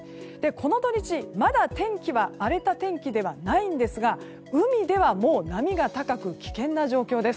この土日、まだ天気は荒れた天気ではないんですが海では、もう波が高く危険な状況です。